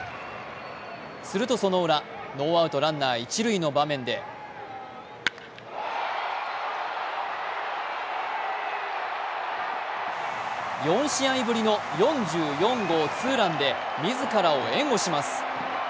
するとそのウラノーアウトランナー、一塁の場面で４試合ぶりの４４号ツーランで自らを援護します。